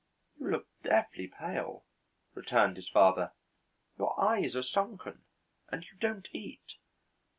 "You look deathly pale," returned his father. "Your eyes are sunken and you don't eat."